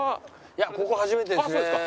いやここ初めてですね。